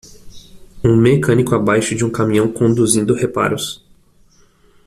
Um mecânico abaixo de um caminhão conduzindo reparos.